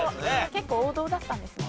結構王道だったんですね。